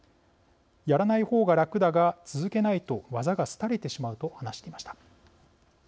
やらない方が楽だが続けないと技が廃れてしまう」と話していました。